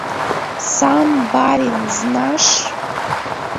Сам, барин, знаш...